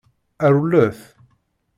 Rewlet!